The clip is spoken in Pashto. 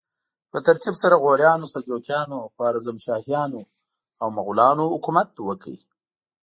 په ترتیب سره غوریانو، سلجوقیانو، خوارزمشاهیانو او مغولانو حکومت وکړ.